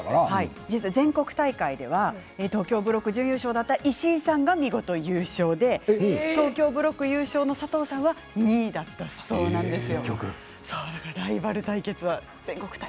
実は、全国大会では東京ブロック準優勝だった石井さんが見事優勝で東京ブロック優勝の佐藤さんは２位だったそうなんですよ。